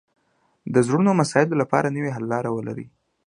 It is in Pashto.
د زړو مسایلو لپاره نوې حل لارې ولري